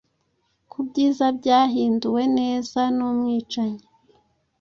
Ku byiza byahinduwe neza numwicanyi